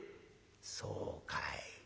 「そうかい。